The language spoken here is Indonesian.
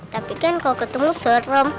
tapi kan kalau ketemu serem